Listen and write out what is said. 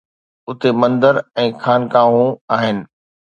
اتي مندر ۽ خانقاهون آهن